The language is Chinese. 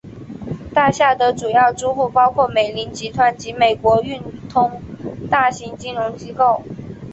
大厦的主要租户包括美林集团及美国运通大型金融机构。